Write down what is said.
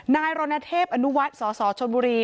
นายรณเทพอนุวัฒน์สสชนบุรี